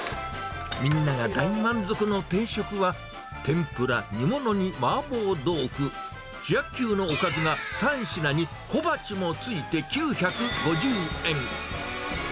みんなが大満足の定食は、天ぷら、煮物にマーボー豆腐、主役級のおかずが３品に小鉢もついて９５０円。